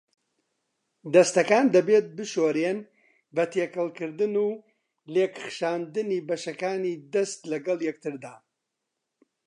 دەستەکان دەبێت بشورێن بە تێکەڵکردن و لێکخشاندنی بەشەکانی دەست لەگەڵ یەکتردا.